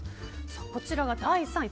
こちらが第３位。